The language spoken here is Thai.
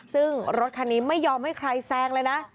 ซึ่งรถคันนี้ไม่ยอมให้ใครแซงเลยนะ